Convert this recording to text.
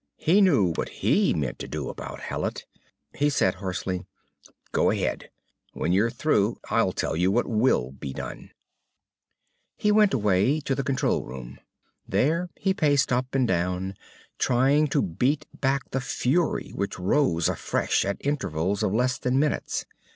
He knew what he meant to do about Hallet. He said harshly; "Go ahead. When you're through I'll tell you what will be done." He went away. To the control room. There he paced up and down, trying to beat back the fury which rose afresh at intervals of less than minutes.